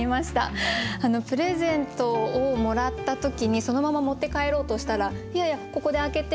プレゼントをもらった時にそのまま持って帰ろうとしたら「いやいやここで開けて。